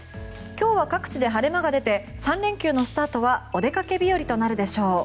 今日は各地で晴れ間が出て３連休のスタートはお出かけ日和となるでしょう。